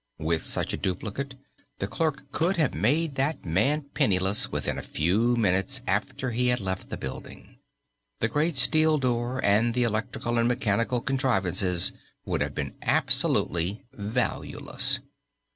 With such a duplicate, the clerk could have made that man penniless within a few minutes after he had left the building. The great steel door and the electrical and mechanical contrivances would have been absolutely valueless.